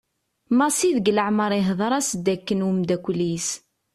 Massi deg leɛmer ihder-as-d akken umddakel-is.